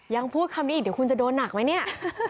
ยังพูดคำนี้อีกเดี๋ยวคุณจะโดนหนักไหมเนี่ย